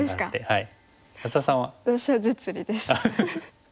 はい。